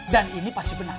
dan ini pasti benar